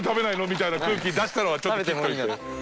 みたいな空気出したのはちょっと切っといて。